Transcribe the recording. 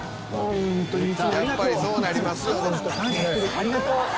ありがとう！